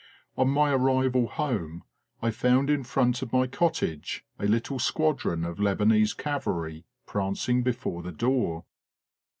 On my arrival home I found in front of my cottage a little squadron of Lebanese cavalry prancing before the door.